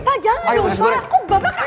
pak jangan dong pak kok bapak kasih